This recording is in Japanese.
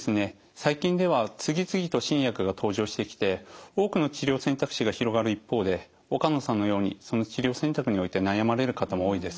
最近では次々と新薬が登場してきて多くの治療選択肢が広がる一方で岡野さんのようにその治療選択において悩まれる方も多いです。